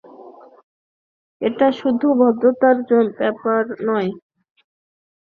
এটা শুধু ভদ্রতার ব্যাপার নয়, আমেরিকান জনগণের ইচ্ছার প্রতি সম্মান প্রদর্শন।